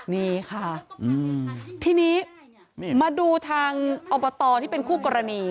นี่ค่ะทีนี้มาดูทางอบตที่เป็นคู่กรณี